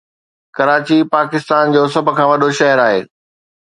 ڪراچي پاڪستان جو سڀ کان وڏو شھر آهي.